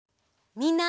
みんな！